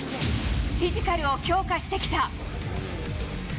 フィジカルを強化してきた。